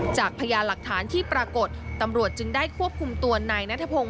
จากพยานหลักฐานที่ปรากฏตำรวจจึงได้ควบคุมตัวนายนัทพงศ